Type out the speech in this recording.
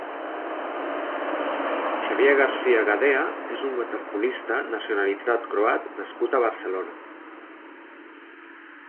Xavier García Gadea és un waterpolista, nacionalitzat croat nascut a Barcelona.